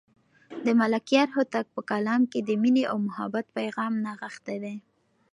د ملکیار هوتک په کلام کې د مینې او محبت پیغام نغښتی دی.